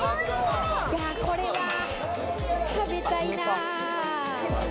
これは食べたいな。